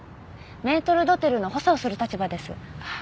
メートル・ドテルの補佐をする立場です。